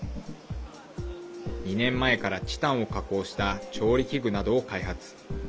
２年前から、チタンを加工した調理器具などを開発。